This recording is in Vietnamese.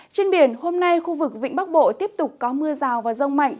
trên biển hôm nay khu vực vĩnh bắc bộ tiếp tục có mưa rào và rông mạnh